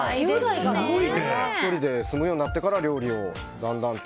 １人で住むようになってから料理をだんだんと。